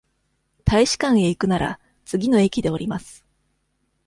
大使館へ行くなら、次の駅で降ります。